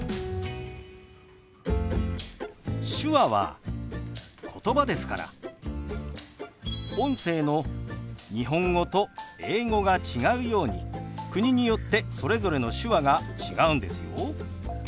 手話はことばですから音声の日本語と英語が違うように国によってそれぞれの手話が違うんですよ。